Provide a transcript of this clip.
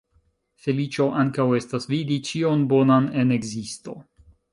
Feliĉo ankaŭ estas vidi ĉion bonan en ekzisto.